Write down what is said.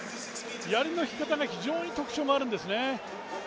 やりの引き方が非常に特徴があるんですね。